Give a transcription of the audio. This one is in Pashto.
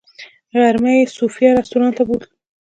غرمه یې صوفیا رسټورانټ ته بوتلو.